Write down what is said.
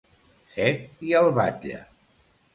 Set i el batlle.